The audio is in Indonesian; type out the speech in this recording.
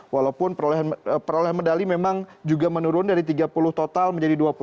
walaupun perolehan medali memang juga menurun dari tiga puluh total menjadi dua puluh